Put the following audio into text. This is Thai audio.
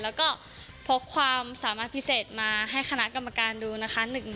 แล้วก็พกความสามารถพิเศษมาให้คณะกรรมการดูนะคะ